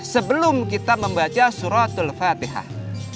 sebelum kita membaca suratul fatihah